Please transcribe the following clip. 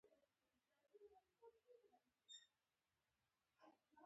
د کښېنستلو اجازه ورکړه شوه.